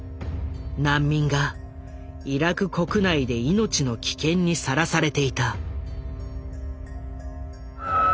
難民がイラク国内で命の危険にさらされていた。